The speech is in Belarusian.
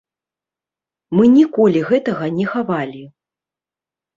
Мы ніколі гэтага не хавалі.